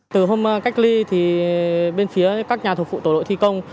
từ hôm cách ly thì bên phía các nhà thuộc phụ tổ đội thi công